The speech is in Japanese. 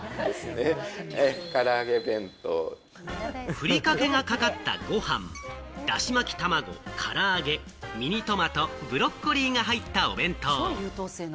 ふりかけがかかったご飯、だし巻き卵、から揚げ、ミニトマト、ブロッコリーが入ったお弁当。